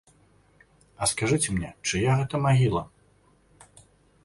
А скажы мне, чыя гэта магіла?